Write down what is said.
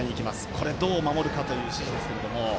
これは、どう守るかという指示ですけれども。